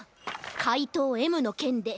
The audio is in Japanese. かいとうＭのけんで。